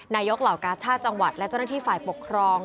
เหล่ากาชาติจังหวัดและเจ้าหน้าที่ฝ่ายปกครอง